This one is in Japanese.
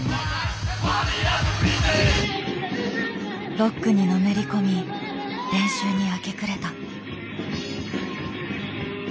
ロックにのめり込み練習に明け暮れた。